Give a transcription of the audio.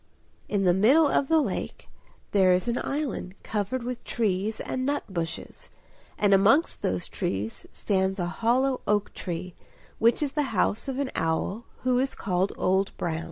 In the middle of the lake there is an island covered with trees and nut bushes; and amongst those trees stands a hollow oak tree, which is the house of an owl who is called Old Brown.